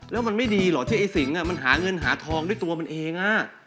แล้วมันไม่ดีเหรอที่ไอ้สิงมันหาเงินหาทองด้วยตัวมันเอง